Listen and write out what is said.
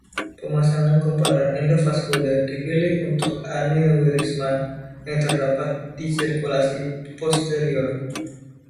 Pemasangan kumparan endovaskuler dipilih untuk aneurisma yang terdapat di sirkulasi posterior.